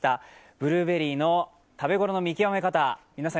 ブルーベリーの食べ頃の見極め方、皆さん